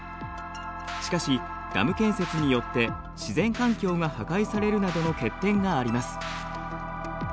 しかしダム建設によって自然環境が破壊されるなどの欠点があります。